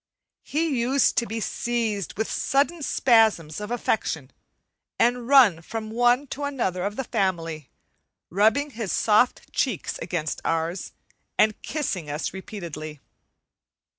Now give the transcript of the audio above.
He used to be seized with sudden spasms of affection and run from one to another of the family, rubbing his soft cheeks against ours, and kissing us repeatedly.